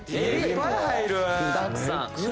具だくさん。